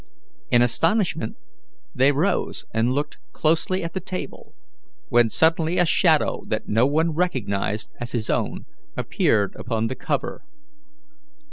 In astonishment, they rose and looked closely at the table, when suddenly a shadow that no one recognized as his own appeared upon the cover.